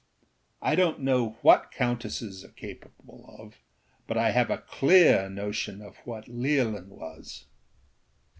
I donât know what countesses are capable of, but I have a clear notion of what Leolin was.